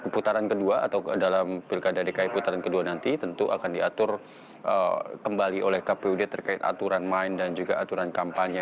putaran kedua atau dalam pilkada dki putaran kedua nanti tentu akan diatur kembali oleh kpud terkait aturan main dan juga aturan kampanye